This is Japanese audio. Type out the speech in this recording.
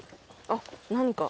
あっ何か。